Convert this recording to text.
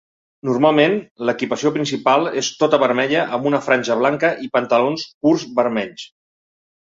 Normalment l'equipació principal és tota vermella amb una franja blanca i pantalons curts vermells.